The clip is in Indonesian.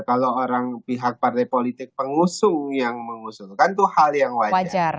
kalau orang pihak partai politik pengusung yang mengusulkan itu hal yang wajar